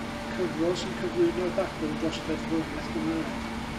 Cyfrol sy'n cyflwyno'r ddadl dros ddeddfwriaeth Gymraeg.